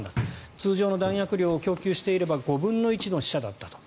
通常の弾薬量を供給していれば５分の１の死者だったと。